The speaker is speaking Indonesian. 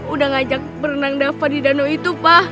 udah ngajak berenang dafa di danau itu pak